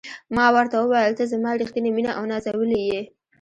ما ورته وویل: ته زما ریښتینې مینه او نازولې یې.